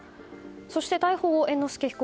そして逮捕後、猿之助被告